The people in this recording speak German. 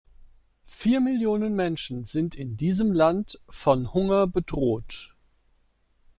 Vier Millionen Menschen sind in diesem Land von Hunger bedroht.